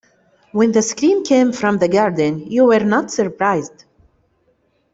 When the scream came from the garden you were not surprised.